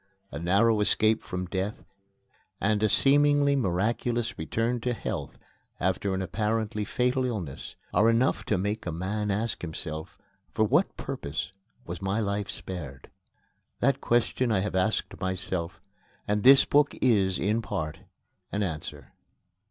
A narrow escape from death and a seemingly miraculous return to health after an apparently fatal illness are enough to make a man ask himself: For what purpose was my life spared? That question I have asked myself, and this book is, in part, an answer.